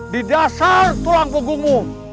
di dasar tulang punggungmu